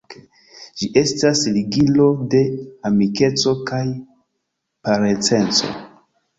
Ĝi estas ligilo de amikeco kaj parenceco.